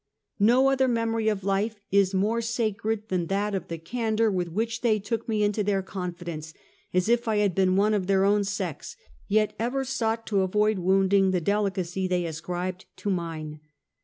ISTo other memory of life is more sacred than that of the candor with which they took me into their confidence, as if I had been of their own sex, yet ever sought to avoid wounding the delicacy they ascribed to mine.